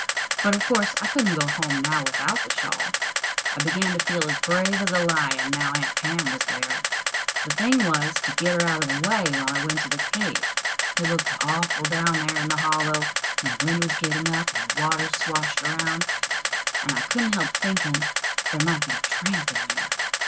But of course I couldn't go home now without the shawl. I began to feel as brave as a lion now Aunt Pam was there. The thing was to get her out of the way while I went into the cave. It looked awful down there in the hollow, and the wind was getting up, the water swashed around, and I couldn't help thinking there might be a tramp in there.